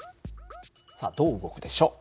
さあどう動くでしょう？